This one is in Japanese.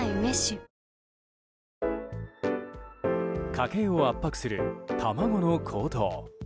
家計を圧迫する卵の高騰。